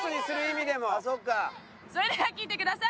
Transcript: それでは聴いてください。